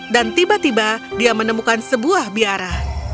dan tiba tiba dia menemukan sebuah biara